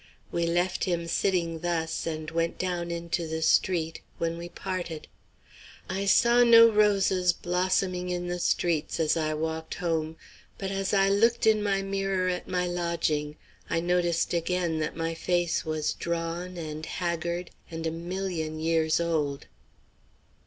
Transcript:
We left him sitting thus and went down into the street, when we parted. I saw no roses blossoming in the streets as I walked home, but as I looked in my mirror at my lodging I noticed again that my face was drawn and haggard and a million years old.